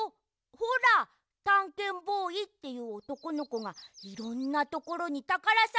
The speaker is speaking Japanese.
ほらたんけんボーイっていうおとこのこがいろんなところにたからさがしにいく。